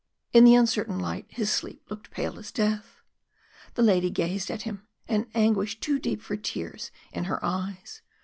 In the uncertain light his sleep looked pale as death. The lady gazed at him, an anguish too deep for tears in her eyes.